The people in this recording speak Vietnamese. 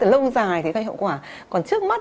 lâu dài thì gây hậu quả còn trước mắt